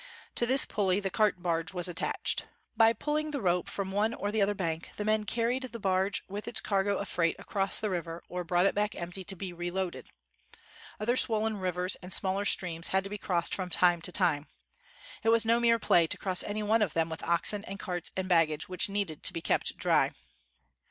To this pulley the cart barge was attached. By pulling the rope from one or the other bank, the men carried the barge with its cargo of freight across the river, or brought it back empty to be re loaded. Other swollen rivers and smaller streams had to be crossed from time to time. It was no mere play to cross any one of them with oxen and carts and baggage which needed to be kept dry.